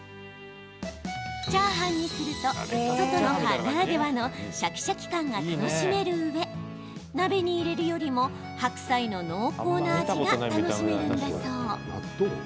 チャーハンにすると外の葉ならではのシャキシャキ感が楽しめるうえ鍋に入れるよりも白菜の濃厚な味が楽しめるんだそう。